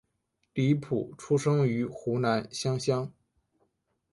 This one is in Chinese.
李普出生于湖南湘乡。